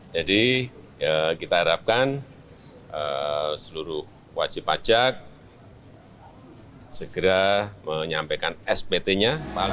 jadi kita harapkan seluruh wajib pajak segera menyampaikan spt nya